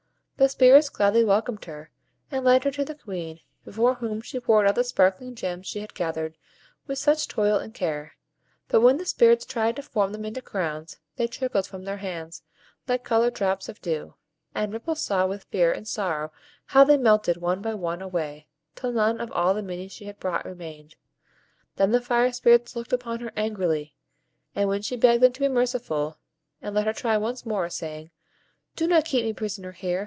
The Spirits gladly welcomed her, and led her to the Queen, before whom she poured out the sparkling gems she had gathered with such toil and care; but when the Spirits tried to form them into crowns, they trickled from their hands like colored drops of dew, and Ripple saw with fear and sorrow how they melted one by one away, till none of all the many she had brought remained. Then the Fire Spirits looked upon her angrily, and when she begged them to be merciful, and let her try once more, saying,— "Do not keep me prisoner here.